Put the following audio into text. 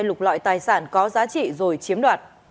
lục loại tài sản có giá trị rồi chiếm đoạt